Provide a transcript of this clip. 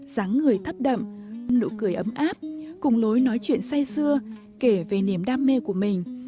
dáng người thấp đậm nụ cười ấm áp cùng lối nói chuyện xay xưa kể về niềm đam mê của mình